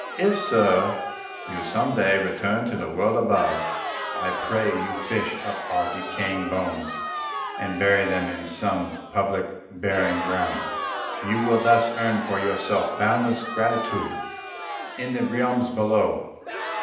If, Sir, you some day return to the world above, I pray you fish up our decaying bones and bury them in some public burying ground. You will thus earn for yourself boundless gratitude in the realms below."